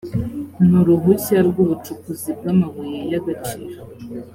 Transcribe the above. n uruhushya rw ubucukuzi bw amabuye y agaciro